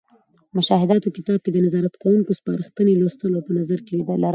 د مشاهداتو کتاب کې د نظارت کوونکو سپارښتنې لوستـل او په نظر کې لرل.